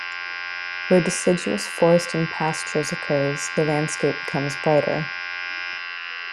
Where deciduous forest and pastures occurs the landscape becomes brighter.